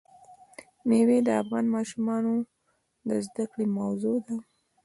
مېوې د افغان ماشومانو د زده کړې موضوع ده.